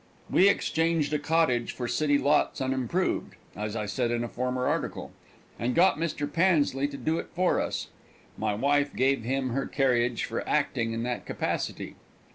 We exchanged a cottage for city lots unimproved, as I said in a former article, and got Mr. Pansley to do it for us. My wife gave him her carriage for acting in that capacity.